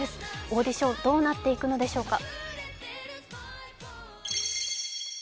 オーディション、どうなっていくのでしょうか。